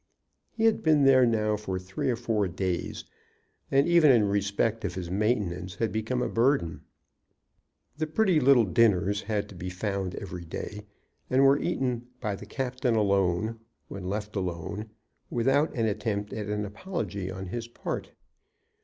He had been there now for three or four days, and, even in respect of his maintenance, had become a burden. The pretty little dinners had to be found every day, and were eaten by the captain alone, when left alone, without an attempt at an apology on his part.